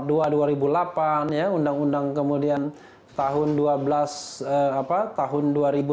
undang undang kemudian tahun dua ribu dua belas